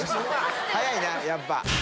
早いなやっぱ。